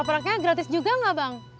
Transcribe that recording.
ketopraknya gratis juga gak bang